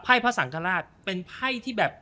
พระสังฆราชเป็นไพ่ที่แบบ